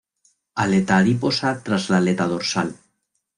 Aleta adiposa tras la aleta dorsal.